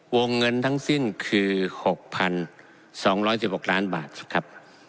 วงเงินทั้งสิ้นคือ๖๒๑๖ล้านบาทครับ